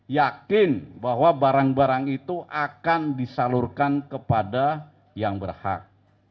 yakin bahwa barang barang itu akan disalurkan kepada yang berhak